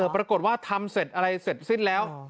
ปรากฏว่าทำเสร็จอะไรเสร็จสิ้นแล้ว